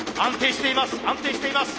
安定しています。